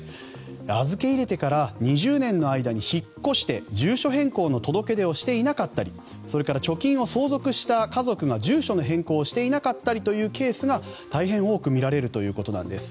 預け入れてから２０年の間に引っ越して住所変更の届出をしていなかったりそれから、貯金を相続した家族が住所の変更をしていなかったりというケースが大変多く見られるそうです。